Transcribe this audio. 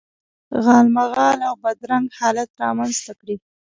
غالمغال او بد رنګ حالت رامنځته کړي.